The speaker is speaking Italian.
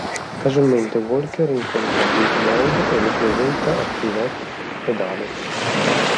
Casualmente, Walker incontra Jake Boyd e lo presenta a Trivette ed Alex.